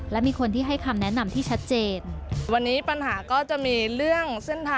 และมีคนที่ให้คำแนะนำที่ชัดเจน